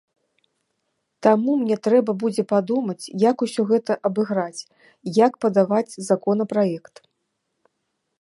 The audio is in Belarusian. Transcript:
Таму мне трэба будзе падумаць, як усё гэта абыграць, як падаваць законапраект.